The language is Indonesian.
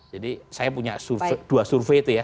jadi saya punya dua survei itu ya